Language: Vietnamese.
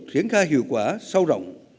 thiển khai hiệu quả sâu rộng